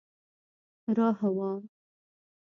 روح وو.